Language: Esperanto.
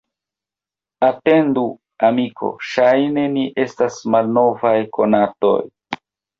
Atendu, amiko, ŝajne ni estas malnovaj konatoj!